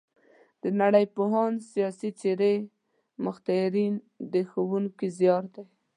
د نړۍ پوهان، سیاسي څېرې، مخترعین د ښوونکي زیار دی.